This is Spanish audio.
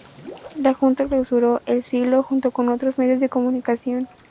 La junta clausuró "El Siglo" junto con otros medios de comunicación.